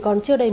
đấy là loại dày